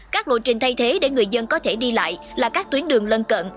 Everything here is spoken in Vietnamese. các lộ trình thay thế để người dân có thể đi lại là các tuyến đường lân cận